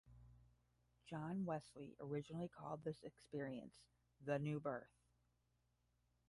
John Wesley originally called this experience the New Birth.